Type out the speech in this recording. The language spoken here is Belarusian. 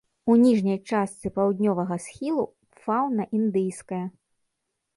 У ніжняй частцы паўднёвага схілу фаўна індыйская.